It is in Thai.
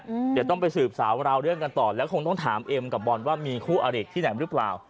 เดี๋ยวต้องไปสืบสาวราวเรื่องกันต่อแล้วคงต้องถามเอ็มกับบอลว่ามีคู่อริกที่ไหนหรือเปล่า